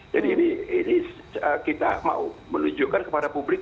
jadi ini kita mau menunjukkan kepada publik